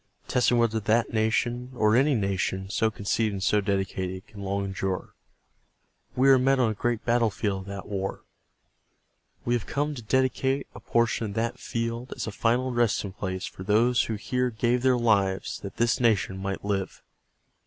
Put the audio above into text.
. .testing whether that nation, or any nation so conceived and so dedicated. .. can long endure. We are met on a great battlefield of that war. We have come to dedicate a portion of that field as a final resting place for those who here gave their lives that this nation might live.